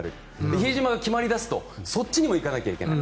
比江島が決まり出すとそっちにも行かないといけない。